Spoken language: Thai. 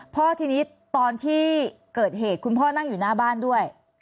พ่อทีนี้ตอนที่เกิดเหตุคุณพ่อนั่งอยู่หน้าบ้านด้วย